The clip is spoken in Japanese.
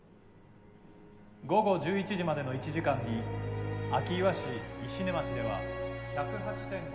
「午後１１時までの１時間に明岩市石音町では１０８．５ミリの」。